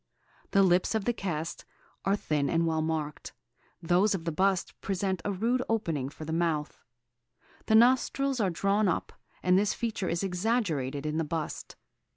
The lips of the cast are thin and well marked; those of the bust present a rude opening for the mouth. The nostrils are drawn up, and this feature is exaggerated in the bust.